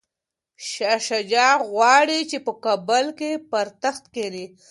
شاه شجاع غواړي چي په کابل کي پر تخت کښیني.